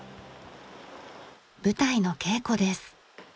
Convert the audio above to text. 舞台の稽古です。